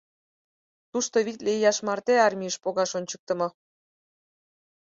Тушто витле ияш марте армийыш погаш ончыктымо.